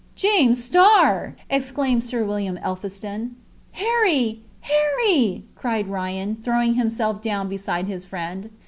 "James Starr!" exclaimed Sir William Elphiston. "Harry! Harry!" cried Ryan, throwing himself down beside his friend.